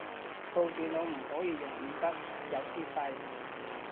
部電腦唔可以用五筆，有啲廢